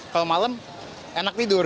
kalau malam enak tidur